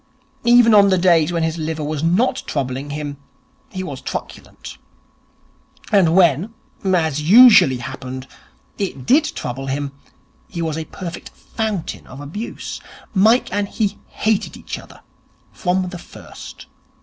Even on the days when his liver was not troubling him, he was truculent. And when, as usually happened, it did trouble him, he was a perfect fountain of abuse. Mike and he hated each other from the first.